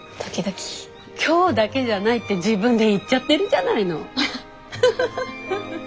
今日だけじゃないって自分で言っちゃってるじゃないの。